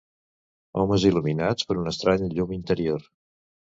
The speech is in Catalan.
Homes il·luminats per una estranya llum interior.